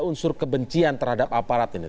unsur kebencian terhadap aparat ini